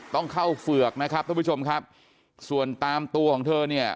ต้องเข้าเฝือกนะครับท่านผู้ชมครับส่วนตามตัวของเธอเนี่ย